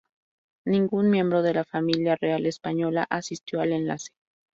Ningún miembro de la familia real española asistió al enlace.